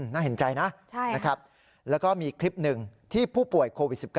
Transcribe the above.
น่าเห็นใจนะนะครับแล้วก็มีคลิปหนึ่งที่ผู้ป่วยโควิด๑๙